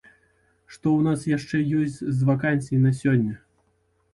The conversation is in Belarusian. Што ў нас яшчэ ёсць з вакансій на сёння?